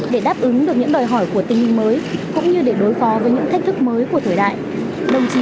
để đáp ứng được những đòi hỏi của tình hình mới cũng như để đối phó với những thách thức mới của thời đại